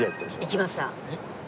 行きました。